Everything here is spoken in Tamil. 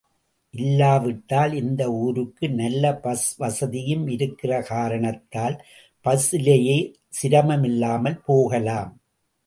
இல்லாவிட்டால் இந்த ஊருக்கு நல்ல பஸ் வசதியும் இருக்கிற காரணத்தால் பஸ்ஸிலேயே சிரமம் இல்லாமல் போகலாம்.